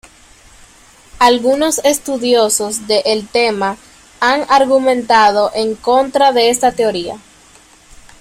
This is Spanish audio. Algunos estudiosos del tema han argumentado en contra de esta teoría.